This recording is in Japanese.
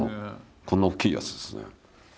こんな大きいやつですね。